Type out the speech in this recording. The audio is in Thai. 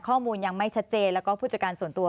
ข้อมูลยังไม่ชัดเจนแล้วก็ผู้จัดการส่วนตัว